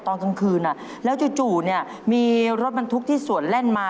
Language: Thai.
ตอนกลางคืนแล้วจู่เนี่ยมีรถบรรทุกที่สวนแล่นมา